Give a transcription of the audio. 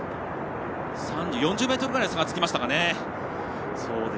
４０ｍぐらい差がつきましたかね。